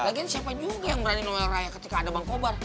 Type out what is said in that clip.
lagian siapa juga yang berani noel raya ketika ada bang kobar